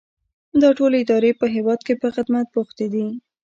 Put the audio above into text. دا ټولې ادارې په هیواد کې په خدمت بوختې دي.